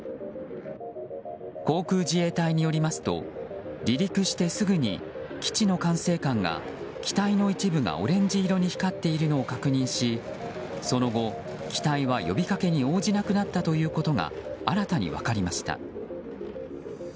航空自衛隊によりますと離陸してすぐに基地の管制官が機体の一部がオレンジ色に光っているのを確認しその後、機体は呼びかけに応じなくなったということが新たに分かりました。